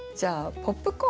「ポップコーン」。